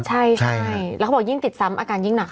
ใช่แล้วเขาบอกยิ่งติดซ้ำอาการยิ่งหนัก